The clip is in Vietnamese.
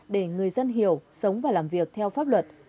để người dân hiểu sống và làm việc theo pháp luật